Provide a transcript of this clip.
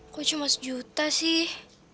kok cuma sejuta sih